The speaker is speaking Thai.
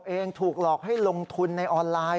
เองถูกหลอกให้ลงทุนในออนไลน์